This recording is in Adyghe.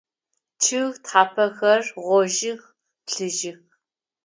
Чъыг тхьапэхэр гъожьых, плъыжьых.